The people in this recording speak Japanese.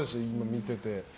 見てて。